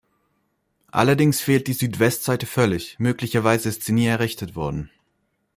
Allerdings fehlt die Südwestseite völlig, möglicherweise ist sie nie errichtet worden.